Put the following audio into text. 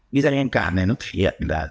bí danh anh cà này nó thể hiện là